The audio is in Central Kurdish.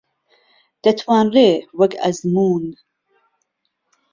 دەتوانرێ وەک ئەزموون